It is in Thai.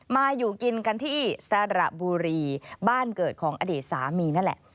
มาอยู่กินกันที่สระบุรีบ้านเกิดของอดีตสามีนั่นแหละ